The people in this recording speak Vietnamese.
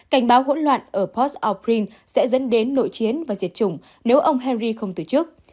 cảnh báo hỗn loạn ở port au prince sẽ dẫn đến nội chiến và diệt chủng nếu ông henry không từ chức